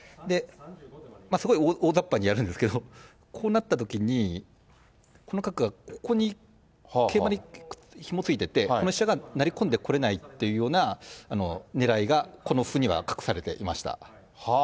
すごいおおざっぱにやるんですけど、こうなったときに、この角がここに、桂馬にひもづいてて、この飛車がなりこんでこれないというようなねらいがこの歩には隠されていました。